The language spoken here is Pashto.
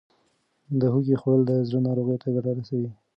د هوږې خوړل د زړه ناروغیو ته ګټه رسوي.